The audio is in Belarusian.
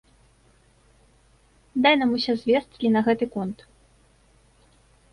Дай нам усе звесткі на гэты конт.